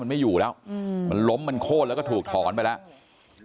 มันไม่อยู่แล้วมันล้มมันโค้นแล้วก็ถูกถอนไปแล้ว